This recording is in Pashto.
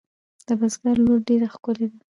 د بزگر لور ډېره ښکلې ده.